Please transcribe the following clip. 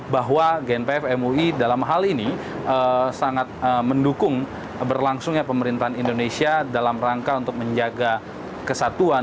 bahwa gnpf mui dalam hal ini sangat mendukung berlangsungnya pemerintahan indonesia dalam rangka untuk menjaga kesatuan